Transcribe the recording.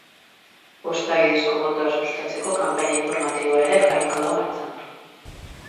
Posta bidezko botoa sustatzeko kanpaina informatiboa ere jarriko da martxan.